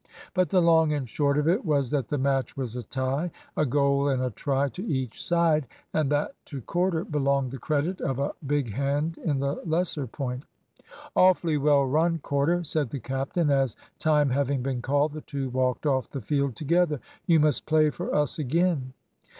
But the long and short of it was that the match was a tie; a goal and a try to each side; and that to Corder belonged the credit of a big hand in the lesser point. "Awfully well run, Corder," said the captain, as, time having been called, the two walked off the field together. "You must play for us again."